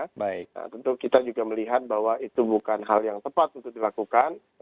nah tentu kita juga melihat bahwa itu bukan hal yang tepat untuk dilakukan